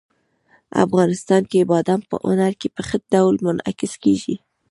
افغانستان کې بادام په هنر کې په ښه ډول منعکس کېږي.